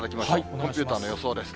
コンピューターの予想です。